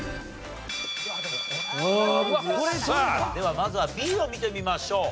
さあではまずはＢを見てみましょう。